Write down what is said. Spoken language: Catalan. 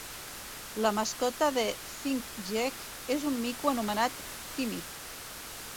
La mascota de ThinkGeek és un mico anomenat Timmy.